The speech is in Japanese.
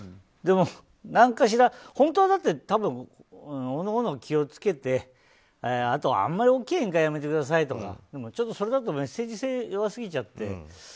でも、何かしら本当は、おのおの気を付けてあとは、あまり大きな宴会はやめてくださいとかちょっとそれだとメッセージ性弱すぎちゃって。